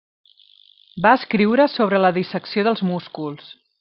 Va escriure sobre la dissecció dels músculs.